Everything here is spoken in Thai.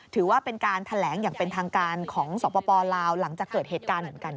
ถือว่าเป็นการแถลงอย่างเป็นทางการของสปลาวหลังจากเกิดเหตุการณ์เหมือนกัน